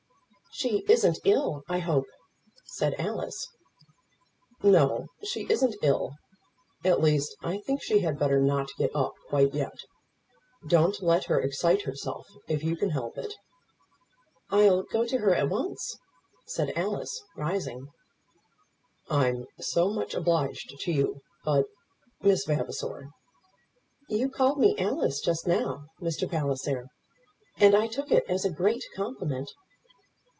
"She isn't ill, I hope?" said Alice. "No; she isn't ill. At least I think she had better not get up quite yet. Don't let her excite herself, if you can help it." "I'll go to her at once," said Alice rising. "I'm so much obliged to you; but, Miss Vavasor " "You called me Alice just now, Mr. Palliser, and I took it as a great compliment."